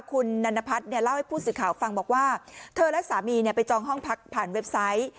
คุณนันนพัฒน์เนี่ยเล่าให้ผู้สื่อข่าวฟังบอกว่าเธอและสามีไปจองห้องพักผ่านเว็บไซต์